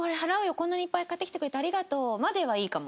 こんなにいっぱい買ってきてくれてありがとう」まではいいかも。